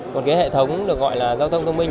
còn cái hệ thống được gọi là giao thông thông minh